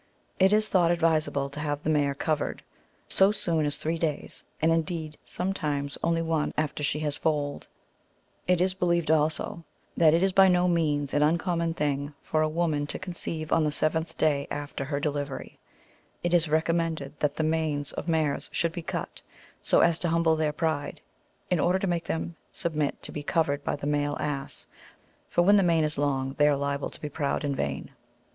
It is thought advisable to have the mare covered so soon as three days, and indeed, sometimes, only one, after she has foaled; and, however unwil ling she may be, means are taken to compel her. It is be lieved also, that it is by no means an uncommon thing for a woman to conceive on the seventh day after her delivery. It is recommended that the manes of mares should be cut, so as to humble their pride, in order to make them submit to be covered by the male ass ; for when the mane is long, they are liable to be proud and vain.